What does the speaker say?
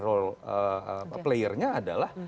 role player nya adalah